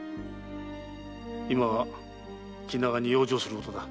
今は気長に養生することだ。